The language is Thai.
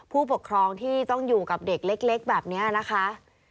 ผู้ปกครองที่ต้องอยู่กับเด็กเล็กแบบนี้นะคะ